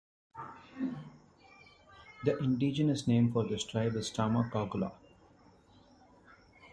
The indigenous name for this tribe is "Tamoucougoula".